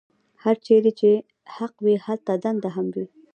هرچېرې چې حق وي هلته دنده هم وي.